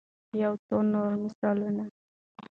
يو څو نور مثالونه